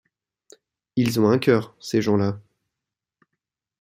Ils ont un cœur, ces gens-là!